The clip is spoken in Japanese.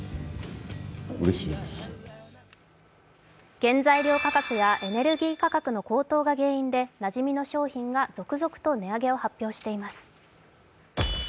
原材料価格やエネルギー価格の高騰でなじみの商品が続々と値上げを発表しています。